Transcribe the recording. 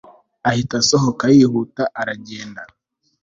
ahita asohoka yihuta aragenda